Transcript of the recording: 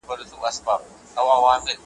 د رحمن بابا د شعر کمال `